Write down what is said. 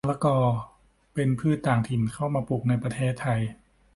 มะละกอ เป็นพืชต่างถิ่น เข้ามาปลูกในประเทศ